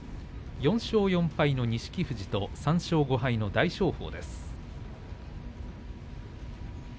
４勝４敗の錦富士と３勝５敗の大翔鵬。